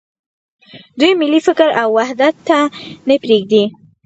دوی ملي فکر او وحدت ته نه پرېږدي.